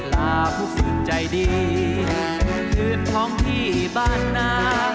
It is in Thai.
ลาผู้อื่นใจดีคืนท้องที่บ้านนา